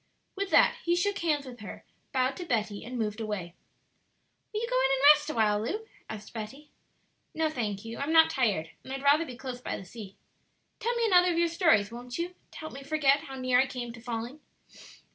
With that he shook hands with her, bowed to Betty, and moved away. "Will you go in and rest awhile, Lu?" asked Betty. "No, thank you; I'm not tired; and I'd rather be close by the sea. Tell me another of your stories, won't you? to help me forget how near I came to falling."